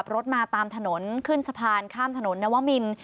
รถมาตามถนนขึ้นสะพานข้ามถนนนวมิน